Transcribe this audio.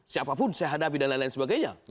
siapapun sehadapi dan lain lain sebagainya